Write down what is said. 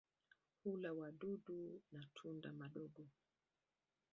Hula wadudu na tunda madogo.